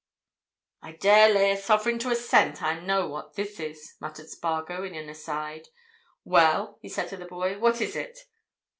"I dare lay a sovereign to a cent that I know what this is," muttered Spargo in an aside. "Well?" he said to the boy. "What is it?"